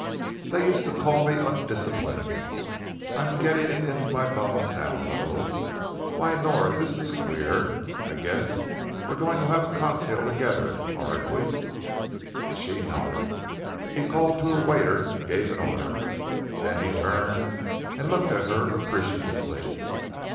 They used to call me undisciplined. I'm getting it into my bones now, though. Why, Nora, this is queer! I guess we're going to have a cocktail together, aren't we?" She nodded. He called to a waiter and gave an order. Then he turned and looked at her appreciatively.